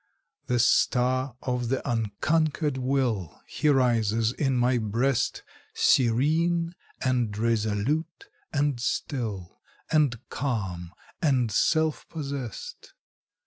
The star of the unconquered will, He rises in my breast, Serene, and resolute, and still, And calm, and self possessed.